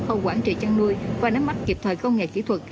khâu quản trị chăn nuôi và nắm mắt kịp thời công nghệ kỹ thuật